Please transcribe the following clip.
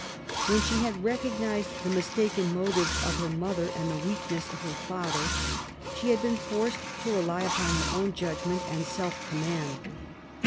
When she had recognized the mistaken motives of her mother and the weakness of her father, she had been forced to rely upon her own judgment and self command.